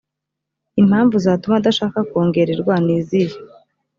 impamvu zatuma adashaka kongererwa nizihe